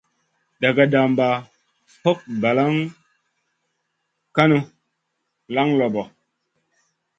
Dagadamba hog balak kaŋu, laŋ loɓo.